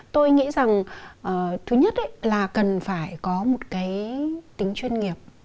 tôi nghĩ rằng thứ nhất là cần phải có một cái tính chuyên nghiệp